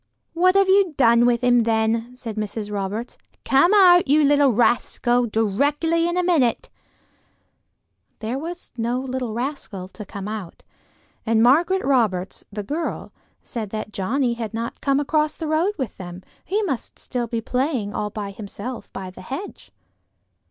"What have you done with him then?" said Mrs. Roberts. "Come out, you little rascal, directly in a minute." There was no little rascal to come out, and Margaret Roberts, the girl, said that Johnnie had not come across the road with them: he must be still playing all by himself by the hedge.